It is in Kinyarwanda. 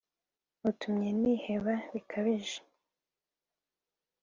utumye niheba bikabije